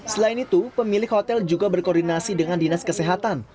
selain itu pemilik hotel juga berkoordinasi dengan dinas kesehatan